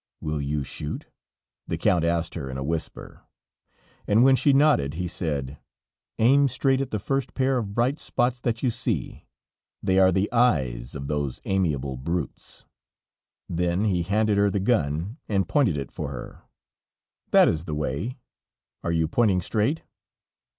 "Will you shoot?" the Count asked her in a whisper, and when she nodded, he said: "Aim straight at the first pair of bright spots that you see; they are the eyes of those amiable brutes." Then he handed her the gun and pointed it for her. "That is the way are you pointing straight?"